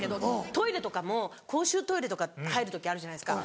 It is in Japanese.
トイレとかも公衆トイレとか入る時あるじゃないですか。